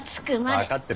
わかってる！